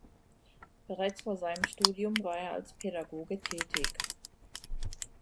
Bereits vor seinem Studium war er als Pädagoge tätig.